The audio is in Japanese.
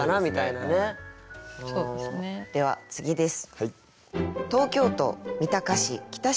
では次です。